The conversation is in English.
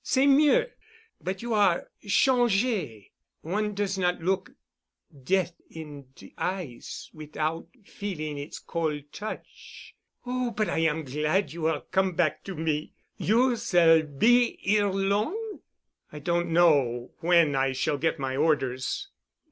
"C'est mieux. But you are change'. One does not look deat' in de eyes wit'out feeling its col' touch. Oh, but I am glad that you are come back to me. You s'all be 'ere long?" "I don't know—when I shall get my orders."